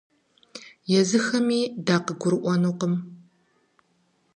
Езыхэми дакъыгурыӏуэнукъым.